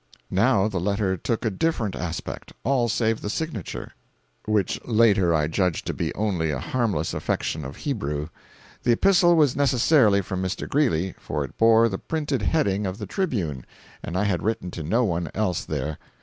Now the letter took a different aspect—all save the signature, which latter I judged to be only a harmless affectation of Hebrew. The epistle was necessarily from Mr. Greeley, for it bore the printed heading of The Tribune, and I had written to no one else there.